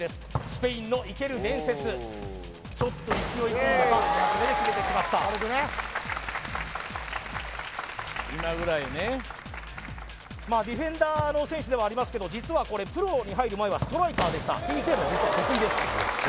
スペインの生ける伝説ちょっと勢い２発目で決めてきましたまあディフェンダーの選手ではありますけど実はこれプロに入る前はストライカーでしたＰＫも実は得意です